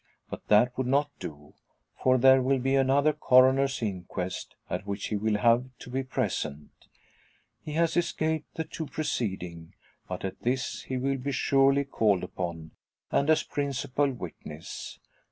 But that would not do. For there will be another coroner's inquest, at which he will have to be present. He has escaped the two preceding; but at this he will be surely called upon, and as principal witness.